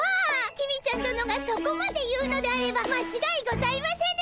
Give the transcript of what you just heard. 公ちゃん殿がそこまで言うのであればまちがいございませぬ！